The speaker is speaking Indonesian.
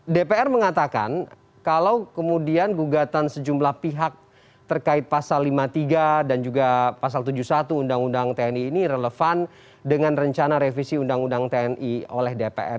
dpr mengatakan kalau kemudian gugatan sejumlah pihak terkait pasal lima puluh tiga dan juga pasal tujuh puluh satu undang undang tni ini relevan dengan rencana revisi undang undang tni oleh dpr